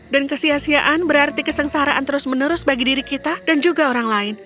dan kesiasiaan berarti kesengsaraan terus menerus bagi diri kita dan juga orang lain